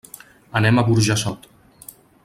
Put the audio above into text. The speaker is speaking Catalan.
Anem a Burjassot.